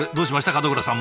門倉さん